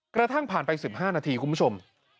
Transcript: กระทั่งผ่านไป๑๕นาทีคุณผู้ชม